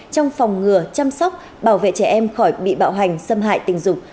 trong phòng ngừa chăm sóc bảo vệ trẻ em khỏi bị bạo hành xâm hại tình dục